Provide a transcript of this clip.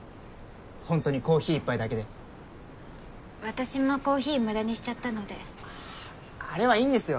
ホントにコーヒー１杯だけで私もコーヒームダにしちゃったのであれはいいんですよ